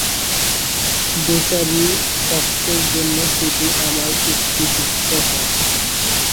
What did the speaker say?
বেচারী ফক্সের জন্য শুধু আমার একটু দুঃখ হয়।